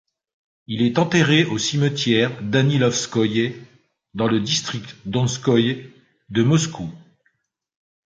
Il est enterré au cimetière Danilovskoïe dans le district Donskoï de Moscou.